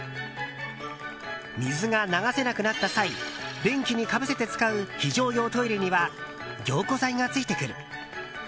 水が流せなくなった際便器にかぶせて使う非常用トイレには凝固剤がついてくる。